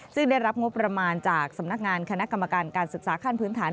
ซึ่งได้รับงบประมาณจากสำนักงานคณะกรรมการการศึกษาขั้นพื้นฐาน